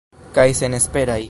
Kaj senesperaj.